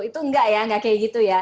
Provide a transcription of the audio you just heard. itu tidak ya tidak seperti itu ya